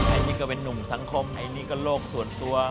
อันนี้ก็เป็นนุ่มสังคมไอ้นี่ก็โลกส่วนตัว